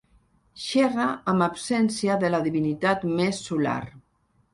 Xerra en absència de la divinitat més solar.